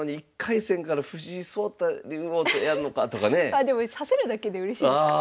あでも指せるだけでうれしいですからね。